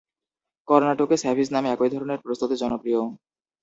কর্ণাটকে স্যাভিজ নামে একই ধরনের প্রস্তুতি জনপ্রিয়।